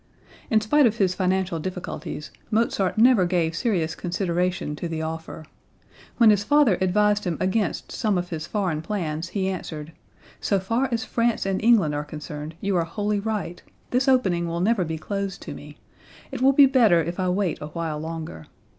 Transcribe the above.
In spite of his financial difficulties, Mozart never gave serious consideration to the offer. When his father advised him against some of his foreign plans he answered: "So far as France and England are concerned you are wholly right; this opening will never be closed to me; it will be better if I wait a while longer.